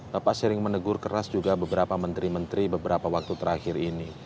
bapak sering menegur keras juga beberapa menteri menteri beberapa waktu terakhir ini